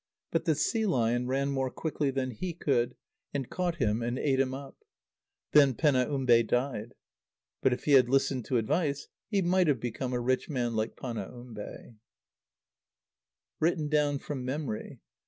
But the sea lion ran more quickly than he could, and caught him and ate him up. Then Penaumbe died. But if he had listened to advice he might have become a rich man like Panaumbe. (Written down from memory.